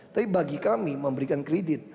tapi bagi kami memberikan kredit